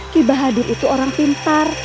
kibahadur itu orang pintar